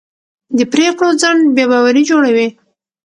د پرېکړو ځنډ بې باوري جوړوي